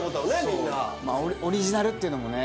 みんなオリジナルっていうのもね